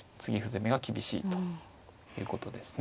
攻めが厳しいということですね。